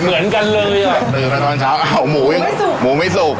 เดินมาตอนเช้าอ้าวหมูยังหมูไม่สุก